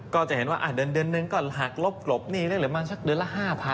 ก็จะเห็นว่าเดือนหนึ่งก็หักลบกลบหนี้ได้เหลือประมาณสักเดือนละ๕๐๐